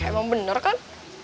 emang bener kan